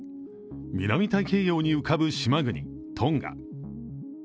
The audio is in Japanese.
南太平洋に浮かぶ島国、トンガ。